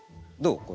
これ。